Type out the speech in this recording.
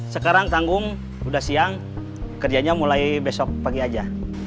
sekarang tanggung udah siang kerjanya mulai besok pagi aja